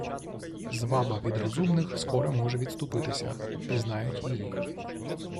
Зваба від розумних скоро може відступитися: пізнають її.